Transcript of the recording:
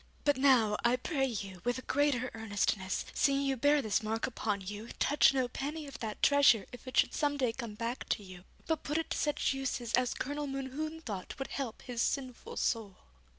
But now, I pray you, with a greater earnestness, seeing you bear this mark upon you, touch no penny of that treasure if it should some day come back to you, but put it to such uses as Colonel Mohune thought would help his sinful soul.'